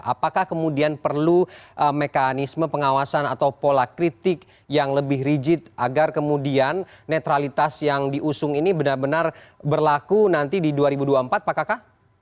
apakah kemudian perlu mekanisme pengawasan atau pola kritik yang lebih rigid agar kemudian netralitas yang diusung ini benar benar berlaku nanti di dua ribu dua puluh empat pak kakak